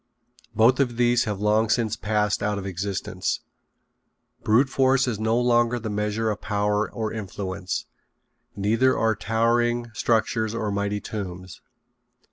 Both of these have long since passed out of existence. Brute force is no longer the measure of power or influence. Neither are towering structures or mighty tombs.